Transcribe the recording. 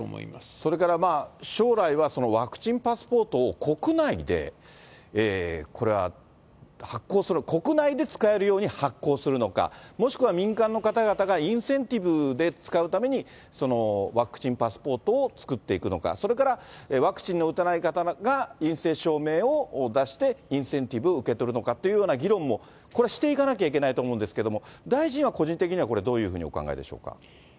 それから、将来はワクチンパスポートを国内で、これは発行する、国内で使えるように発行するのか、もしくは民間の方々がインセンティブで使うためにワクチンパスポートを作っていくのか、それからワクチンの打てない方が陰性証明を出してインセンティブを受け取るのかという議論もしていかなきゃいけないと思うんですけれども、大臣は個人的にはこれ、どういうふうにお考えなんでしょ